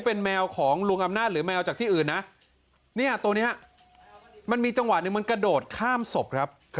เป็นแมวของลุงอำนาจหรือแมวจากที่อื่นนะเนี่ยตัวนี้มันมีจังหวะหนึ่งมันกระโดดข้ามศพครับ